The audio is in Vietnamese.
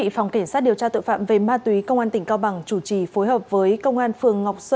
phòng kiểm soát điều tra tội phạm về ma túy công an tỉnh cao bằng chủ trì phối hợp với công an phường ngọc xuân